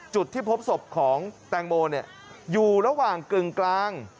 จุดที่พบศพของแตงโมอยู่ระหว่างกึ่งกลาง